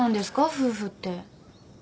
夫婦って。